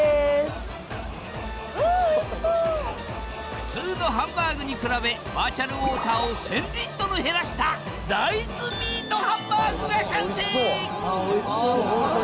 普通のハンバーグに比べバーチャルウォーターを１，０００リットル減らした大豆ミートハンバーグが完成！